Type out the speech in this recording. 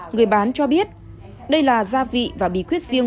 người bán cho biết đây là gia vị và bí quyết riêng